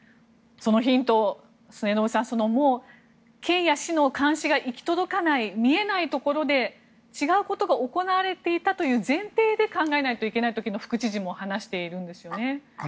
そのヒントを末延さん県や市の監視が行き届かない見えないところで違うことが行われていたという前提で考えないといけないと副知事も話しているんですよね。